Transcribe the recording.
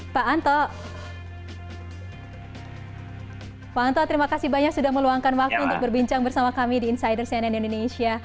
pak anto terima kasih banyak sudah meluangkan waktu untuk berbincang bersama kami di insider cnn indonesia